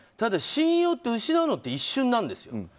信用って失うのって一瞬なんですよ。